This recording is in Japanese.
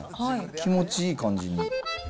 気持ちいい感じ。